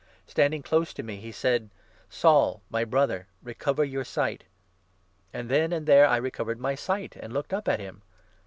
Standing close to me, he 13 said 'Saul, my Brother, recover your sight.' And then and there I recovered my sight and looked up at him.